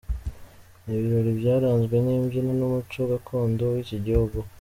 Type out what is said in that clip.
Ni ibirori byaranzwe n’imbyino n’umuco gakondo w’iki gihugu.